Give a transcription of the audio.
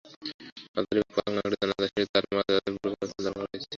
Hazaribagh park মাঠে জানাজা শেষে তাঁর মরদেহ আজিমপুর কবরস্থানে দাফন করা হয়েছে।